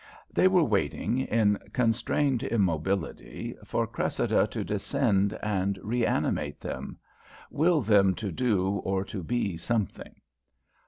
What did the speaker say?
They were waiting, in constrained immobility, for Cressida to descend and reanimate them, will them to do or to be something.